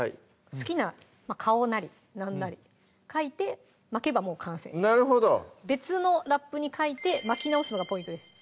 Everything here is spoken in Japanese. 好きな顔なり何なり描いて巻けばもう完成なるほど別のラップに描いて巻き直すのがポイントです